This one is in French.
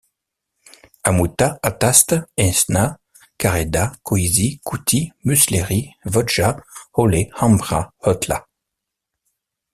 Ammuta, Ataste, Esna, Kareda, Köisi, Küti, Müüsleri, Vodja, Õle, Ämbra, Öötla.